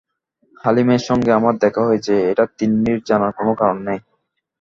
হালিমের সঙ্গে আমার দেখা হয়েছে, এটা তিন্নির জানার কোনো কারণ নেই।